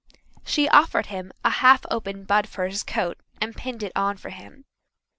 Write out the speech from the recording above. She offered him a half opened bud for his coat and pinned it on for him.